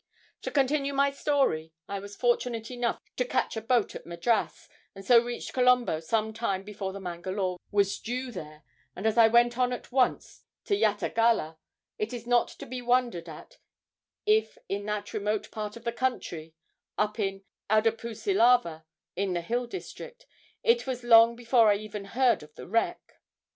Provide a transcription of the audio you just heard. To continue my story, I was fortunate enough to catch a boat at Madras, and so reached Colombo some time before the "Mangalore" was due there, and as I went on at once to Yatagalla, it is not to be wondered at if in that remote part of the country up in Oudapusilava, in the hill district it was long before I even heard of the wreck.